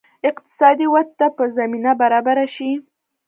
اقتصادي ودې ته به زمینه برابره شي.